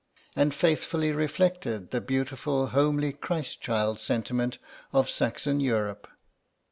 and faithfully reflected the beautiful homely Christ child sentiment of Saxon Europe.